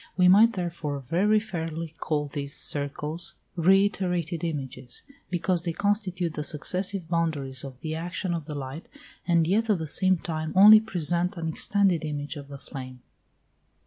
We might, therefore, very fairly call these circles reiterated images, because they constitute the successive boundaries of the action of the light, and yet at the same time only present an extended image of the flame.